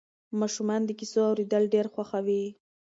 ماشومان د کیسو اورېدل ډېر خوښوي.